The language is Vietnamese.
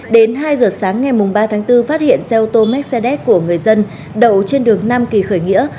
đến hai giờ sáng ngày ba tháng bốn phát hiện xe ô tô mercedes của người dân đậu trên đường nam kỳ khởi nghĩa